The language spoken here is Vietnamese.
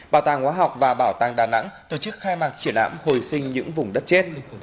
bảo tàng hóa học và bảo tàng đà nẵng tổ chức khai mạc triển lãm hồi sinh những vùng đất chết